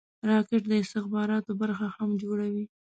راکټ د استخباراتو برخه هم جوړوي